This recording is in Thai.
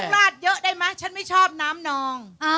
พลาดเยอะได้ไหมฉันไม่ชอบน้ำนอง